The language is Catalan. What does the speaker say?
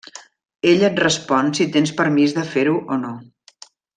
Ell et respon si tens permís de fer-ho o no.